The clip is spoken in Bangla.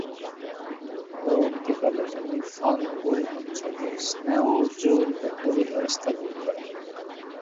পরবর্তীকালে তিনি 'ফান-য়ুল অঞ্চলে স্নে'উ-জুর বৌদ্ধবিহার স্থাপন করেন।